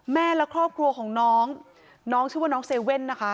แม่และครอบครัวของน้องน้องชื่อว่าน้องเซเว่นนะคะ